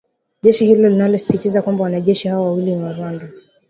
Jeshi hilo linasisitiza kwamba wanajeshi hao wawili ni wa Rwanda